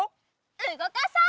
うごかそう！